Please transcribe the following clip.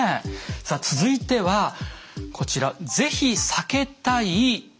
さあ続いてはこちら「ぜひ避けたい」